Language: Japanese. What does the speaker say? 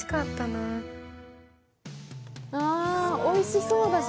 おいしそうだし、